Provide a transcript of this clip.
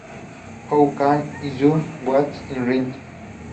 How can I do what is right?"".